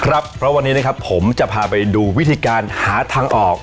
แล้ววันนี้ผมจะพาไปดูวิธีการหาทางออก